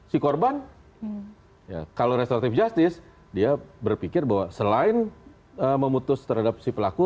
si korban ya kalau restoratif justice dia berpikir bahwa selain memutus terhadap si pelaku